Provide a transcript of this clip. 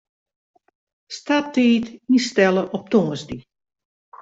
Starttiid ynstelle op tongersdei.